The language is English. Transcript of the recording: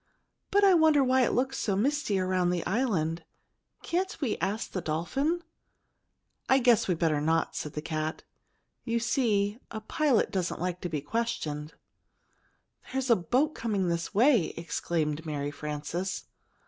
But I wonder why it looks so misty around the island. Can't we ask the dolphin?" "I guess we'd better not," said the cat. "You see, a pilot doesn't like to be questioned." "There is a boat coming this way!" exclaimed Mary Frances.